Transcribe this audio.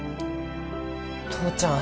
父ちゃん。